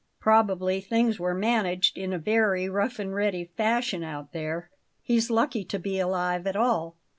Probably things were managed in a very rough and ready fashion out there; he's lucky to be alive at all.